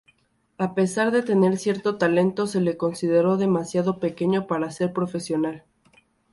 A pesar de tener cierto talento, se lo consideró demasiado pequeño para ser profesional.